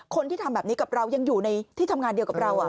คนที่ทำแบบนี้กับเรายังอยู่ในที่ทำงานเดียวกับเรา